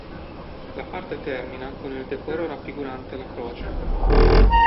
La parte termina con il decoro raffigurante la croce.